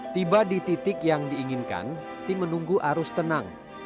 tiba di titik yang diinginkan tim menunggu arus tenang